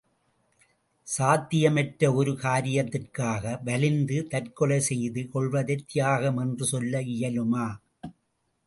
சாத்தியமற்ற ஒரு காரியத்திற்காக வலிந்து தற்கொலை செய்து கொள்வதைத் தியாகம் என்று சொல்ல இயலுமா?